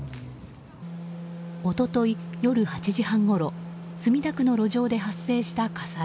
一昨日、夜８時半ごろ墨田区の路上で発生した火災。